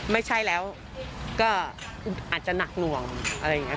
ไม่ใช่แล้วก็อาจจะหนักหน่วงอะไรอย่างนี้